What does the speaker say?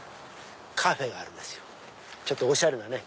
カフェがあるんですよちょっとおしゃれなね。